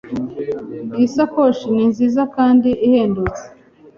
Iyi sakoshi ni nziza kandi ihendutse.